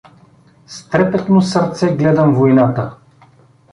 С трепетно сърце гледам войната.